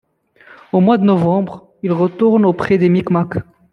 Au mois de novembre, il retourne auprès des Micmacs.